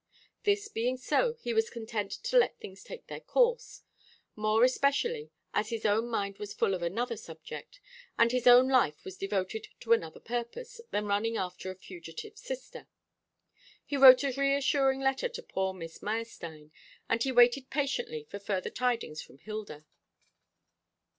This being so, he was content to let things take their course; more especially as his own mind was full of another subject, and his own life was devoted to another purpose than running after a fugitive sister. He wrote a reassuring letter to poor Miss Meyerstein, and he waited patiently for further tidings from Hilda.